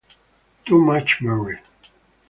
Too Much Married